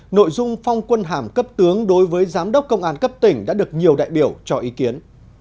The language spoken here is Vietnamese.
nội dung phong quân hàm cấp tướng đối với giám đốc công an cấp tỉnh đã được nhiều đại biểu cho ý kiến